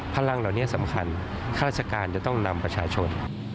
พลังเหล่านี้สำคัญข้าราชการจะต้องนำประชาชน